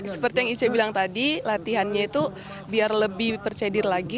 seperti yang ise bilang tadi latihannya itu biar lebih percedir lagi